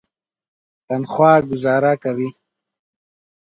تنخوا ګوزاره کوي.